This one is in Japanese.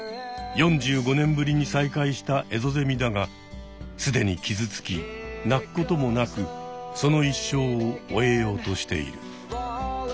４５年ぶりに再会したエゾゼミだがすでに傷つき鳴くこともなくその一生を終えようとしている。